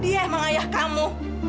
dia emang ayah kamu